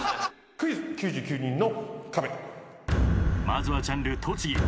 まずはジャンル栃木。